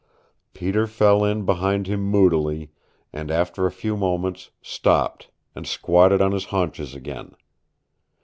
Peter fell in behind him moodily, and after a few moments stopped, and squatted on his haunches again.